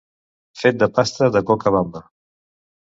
Fet de pasta de coca bamba.